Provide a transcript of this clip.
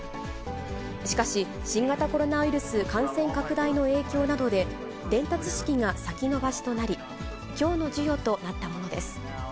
しかし、新型コロナウイルス感染拡大の影響などで、伝達式が先延ばしとなり、きょうの授与となったものです。